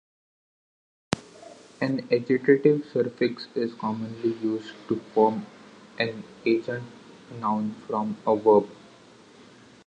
An agentive suffix is commonly used to form an agent noun from a verb.